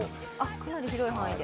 かなり広い範囲で。